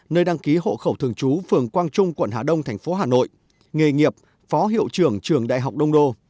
nơi đăng ký hộ khẩu thường trú phường quang trung quận hà đông thành phố hà nội nghề nghiệp phó hiệu trưởng trường đại học đông đô